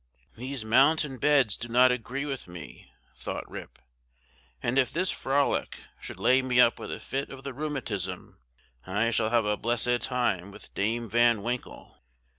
"These mountain beds do not agree with me," thought Rip, "and if this frolic, should lay me up with a fit of the rheumatism, I shall have a blessed time with Dame Van Winkle."